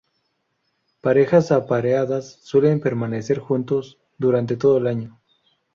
Parejas apareadas suelen permanecer juntos durante todo el año.